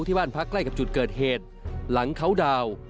ที่บ้านพักใกล้กับจุดเกิดเหตุหลังเขาดาวน์